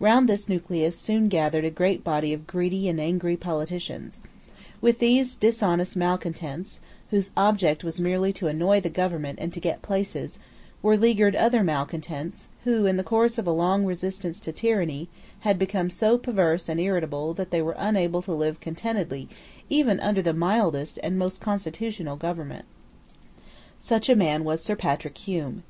Round this nucleus soon gathered a great body of greedy and angry politicians, With these dishonest malecontents, whose object was merely to annoy the government and to get places, were leagued other malecontents, who, in the course of a long resistance to tyranny, had become so perverse and irritable that they were unable to live contentedly even under the mildest and most constitutional government. Such a man was Sir Patrick Hume.